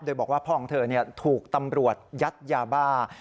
โดยบอกว่าพ่อของเธอถูกตำรวจยัดยาบ้า